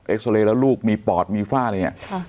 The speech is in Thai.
ซาเรย์แล้วลูกมีปอดมีฝ้าอะไรอย่างนี้